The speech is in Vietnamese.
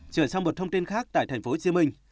chuyển sang một thông tin khác tại tp hcm